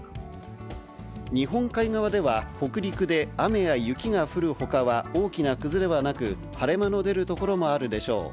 日本海側では、北陸で雨や雪が降るほかは、大きな崩れはなく、晴れ間の出る所もあるでしょう。